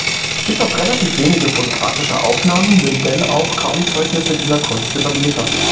Bis auf relativ wenige fotografische Aufnahmen sind denn auch kaum Zeugnisse dieser Kunst überliefert.